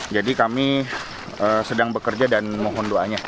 jadi kami sedang bekerja dan mohon doanya